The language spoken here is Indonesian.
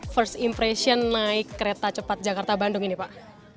first impression naik kereta cepat jakarta bandung ini pak